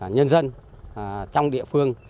nhân dân trong địa phương